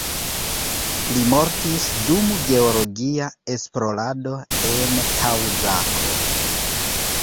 Li mortis dum geologia esplorado en Kaŭkazo.